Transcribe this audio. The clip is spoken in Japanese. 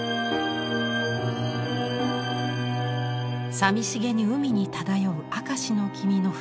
さみしげに海に漂う明石の君の船。